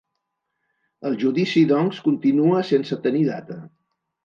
El judici, doncs, continua sense tenir data.